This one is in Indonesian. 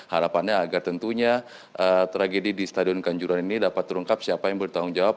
harapannya agar tentunya tragedi di stadion kanjuruhan ini dapat terungkap siapa yang bertanggung jawab